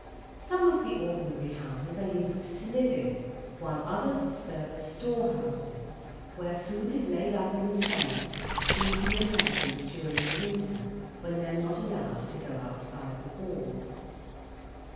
Some of the ordinary houses are used to live in, while others serve as storehouses where food is laid up in the summer to feed the inhabitants during the winter, when they are not allowed to go outside the walls.